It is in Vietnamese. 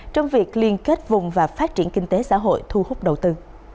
trong việc liên kết vùng và phát triển kinh tế xã hội thu hút đầu tư